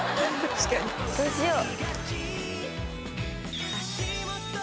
どうしよう？